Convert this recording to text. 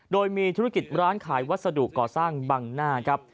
โดยมีธุรกิจร้านขายวัสดุก่อสร้างบังหน้าครับ